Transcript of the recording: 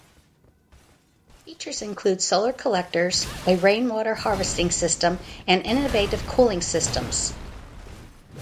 Features include solar collectors, a rainwater harvesting system, and innovative cooling systems.